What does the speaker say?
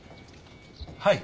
はい。